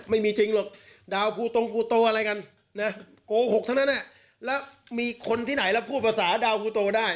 ไม่มีจริงหรอกดาวกูตรงกูโตอะไรกันนะโกหกทั้งนั้นแล้วมีคนที่ไหนแล้วพูดภาษาดาวกูโตได้